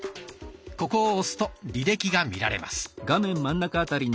ここを押すと履歴が見られます。